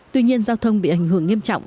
tuy nhiên giao thông bị ảnh hưởng nghiêm trọng